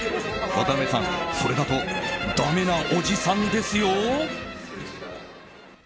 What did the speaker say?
渡邊さん、それだとだめなおじさんですよ。